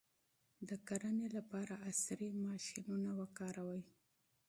د کرنې لپاره عصري ماشینونه وکاروئ.